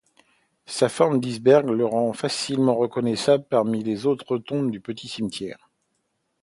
Sa forme d’iceberg la rend facilement reconnaissable parmi les autres tombes du petit cimetière.